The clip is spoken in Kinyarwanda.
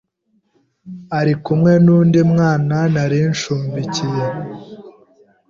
ari kumwe n’undi mwana nari nshumbikiye